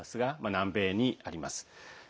南米にあります。